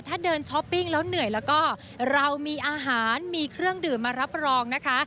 ถ้าเดินช้อปปิ้งแล้วเหนื่อยแล้วก็เรามีอาหารมีเครื่องดื่มมารับรองนะคะ